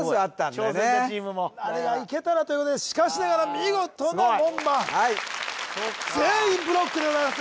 挑戦者チームもあれがいけたらということでしかしながら見事の門番はい全員ブロックでございます